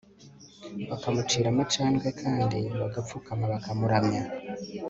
bakamucira amacandwe kandi bagapfukama bakamuramya